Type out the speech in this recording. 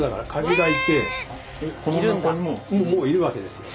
もういるわけですよ。